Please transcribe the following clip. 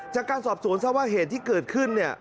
จากการสอบสวนซะว่าเหตุที่เกิดขึ้น